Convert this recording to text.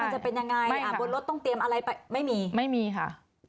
จะเป็นยังไงบนรถต้องเตรียมอะไรไปไม่มีไม่มีค่ะ